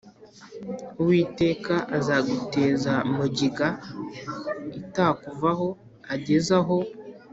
Uwiteka azaguteza mugiga itakuvaho ageze aho